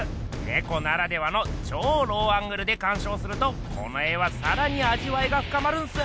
ねこならではのちょうローアングルでかんしょうするとこの絵はさらにあじわいがふかまるんす！